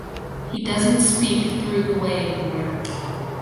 He doesn’t speak through the way anymore.